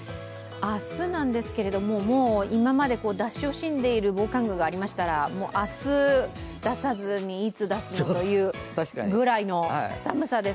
明日なんですけれども、今まで出し惜しんでいる防寒具がありましたら、明日出さずにいつ出すのというぐらいの寒さです。